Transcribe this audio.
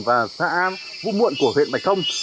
và xã vũ muộn của huyện bạch thông